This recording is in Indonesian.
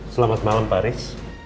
selamat malam pak aris